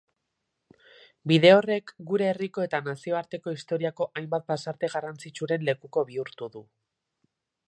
Bide horrek gure herriko eta nazioarteko historiako hainbat pasarte garrantzitsuren lekuko bihurtu du.